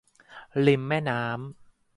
ริมแม่น้ำ